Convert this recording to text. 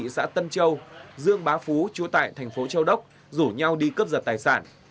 xã tân châu dương bá phú trú tại tp châu đốc rủ nhau đi cướp giật tài sản